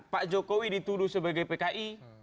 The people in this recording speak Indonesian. pak jokowi dituduh sebagai pki